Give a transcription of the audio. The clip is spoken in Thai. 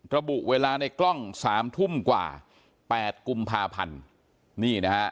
ระบุเวลาในกล้องสามทุ่มกว่าแปดกุมภาพันธ์นี่นะฮะ